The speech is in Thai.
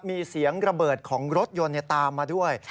มีเสียงระเบิดของรถยนต์ตามมาด้วย